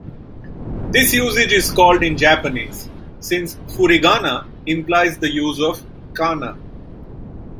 This usage is called in Japanese, since "furigana implies the use of kana".